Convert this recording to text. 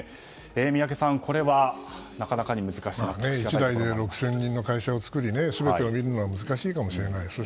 宮家さん、これはなかなかに一代で６０００人の会社を作り全てを見るのは難しいかもしれない。